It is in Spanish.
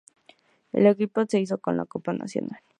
El equipo se hizo con la copa nacional.